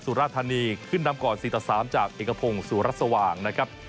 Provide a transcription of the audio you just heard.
สุราธานีขึ้นนำก่อน๔ต่อ๓จากเอกพงศ์สุรัสสว่างนะครับ